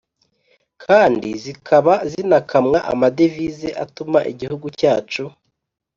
kandi zikaba zinakamwa amadevize atuma igihugu cyacu